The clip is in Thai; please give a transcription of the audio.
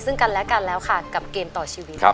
ซึ่งกันและกันแล้วค่ะกับเกมต่อชีวิต